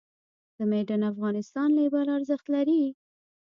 د "Made in Afghanistan" لیبل ارزښت لري؟